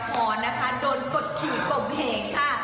แหมก็นิดนึงนะฮะในละครนะฮะโดนกดขีดกบเพงค่ะ